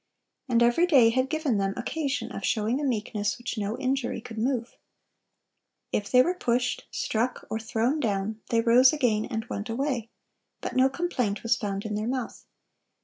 And every day had given them occasion of showing a meekness which no injury could move. If they were pushed, struck, or thrown down, they rose again and went away; but no complaint was found in their mouth.